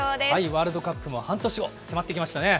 ワールドカップも半年後、迫ってきましたね。